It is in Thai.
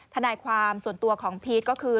ทนายความส่วนตัวของพีชก็คือ